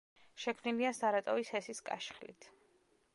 შექმნილია სარატოვის ჰესის კაშხლით.